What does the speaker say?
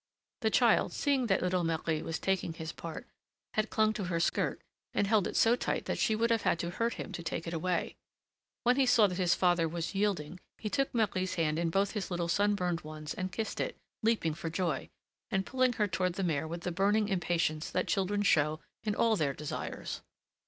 The child, seeing that little Marie was taking his part, had clung to her skirt and held it so tight that she would have had to hurt him to take it away. When he saw that his father was yielding, he took Marie's hand in both his little sunburned ones and kissed it, leaping for joy, and pulling her toward the mare with the burning impatience that children show in all their desires.